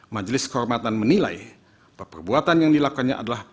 majelis kehormatan menilai bahwa perbuatan yang dilakukannya adalah